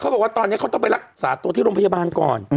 บอกว่าตอนนี้เขาต้องไปรักษาตัวที่โรงพยาบาลก่อน